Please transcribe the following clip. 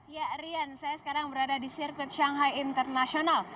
ya rian saya sekarang berada di sirkuit shanghai international